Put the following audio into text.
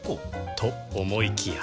と思いきや